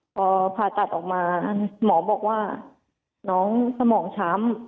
พอผ่าตัดออกมาหมอบอกว่าน้องสมองช้ำ